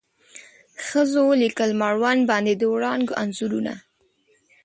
ښځو ولیکل مړوند باندې د وړانګو انځورونه